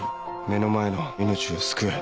目の前の命を救え。